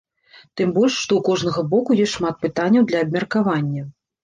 Тым больш, што ў кожнага боку ёсць шмат пытанняў для абмеркавання.